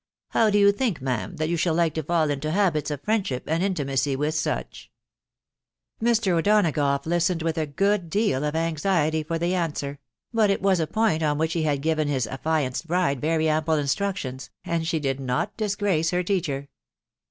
How ' do you think, ma'am, that you shall like to fall into habits of friendship and intimacy with such ?" Mr. O'Donagough listened with a good deal of anxiety for the answer : but it was a point on which he had given his affianced bride very ample instructions, and she did not dis grace her teacher.